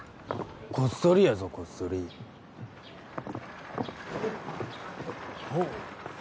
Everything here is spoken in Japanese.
こっそりやぞこっそりほう！